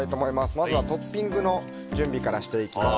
まずはトッピングの準備からしていきます。